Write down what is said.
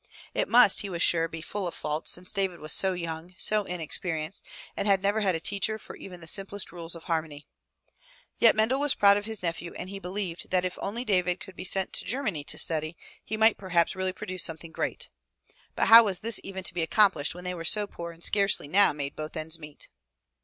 It must, he was sure, be full of faults, since David was so young, so inexperienced, and had never had a teacher for even the simplest rules of harmony. Yet Mendel was proud of his nephew and he believed that if 179 MY BOOK HOUSE only David could be sent to Germany to study, he might perhaps really produce something great. But how was even this to be accomplished when they were so poor and scarcely now made both ends meet?